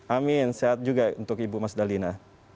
amin sehat juga untuk ibu mas dalina